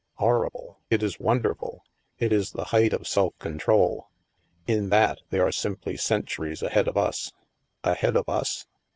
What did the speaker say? " Horrible? It is wonderful. It is the height of self control. In that, they are simply centuries ahead of us." "Ahead of us?